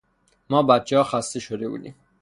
ما بچهها خسته شده بودیم.